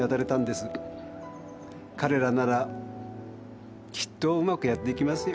彼らならきっとうまくやって行けますよ。